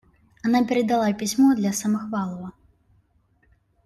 Она передала письмо для Самохвалова.